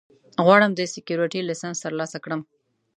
غواړم د سیکیورټي لېسنس ترلاسه کړم